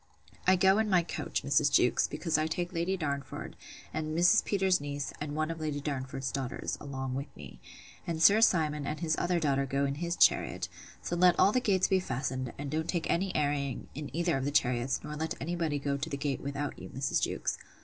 —I go in my coach, Mrs. Jewkes, because I take Lady Darnford, and Mrs. Peters's niece, and one of Lady Darnford's daughters, along with me; and Sir Simon and his other daughter go in his chariot: so let all the gates be fastened; and don't take any airing in either of the chariots, nor let any body go to the gate, without you, Mrs. Jewkes.